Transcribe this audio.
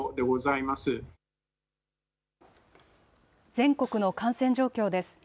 全国の感染状況です。